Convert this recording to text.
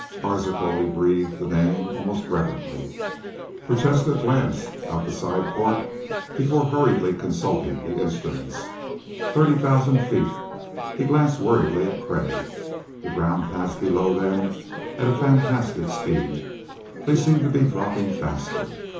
"Arzachel...." He breathed the name almost reverently. Prochaska glanced out the side port before hurriedly consulting the instruments. Thirty thousand feet! He glanced worriedly at Crag. The ground passed below them at a fantastic speed. They seemed to be dropping faster.